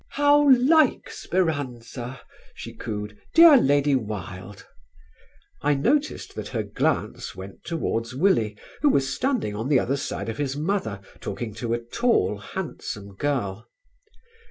"How like 'Speranza'!" she cooed, "dear Lady Wilde!" I noticed that her glance went towards Willie, who was standing on the other side of his mother, talking to a tall, handsome girl.